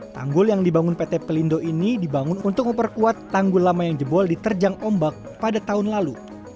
tanggul yang dibangun pt pelindo ini dibangun untuk memperkuat tanggul lama yang jebol diterjang ombak pada tahun lalu